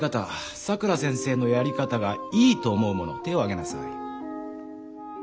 さくら先生のやり方がいいと思う者手を挙げなさい。